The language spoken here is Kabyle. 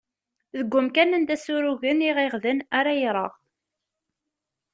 Deg umkan anda ssurugen iɣiɣden ara yerɣ.